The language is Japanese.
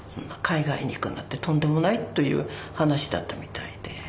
海外に行くなんてとんでもないという話だったみたいで。